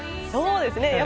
そうですね。